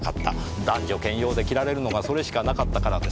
男女兼用で着られるのがそれしかなかったからです。